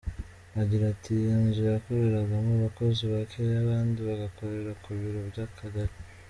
Agira ati “Iyi nzu yakoreragamo abakozi bakeya abandi bagakorera ku biro by’akagari.